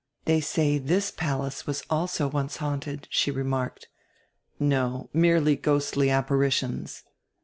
"They say this palace was also once haunted," she remarked. "No, merely ghostly apparitions."